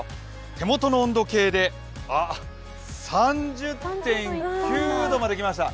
手元の温度計で３０．９度まできました。